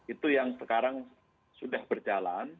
itu yang sekarang sudah berjalan